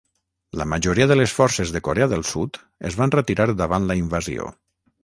La majoria de les forces de Corea del Sud es van retirar davant la invasió.